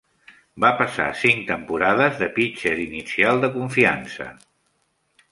Va passar cinc temporades de pitxer inicial de confiança.